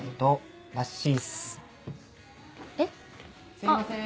すいません。